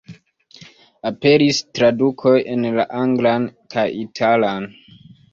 Aperis tradukoj en la anglan kaj italan.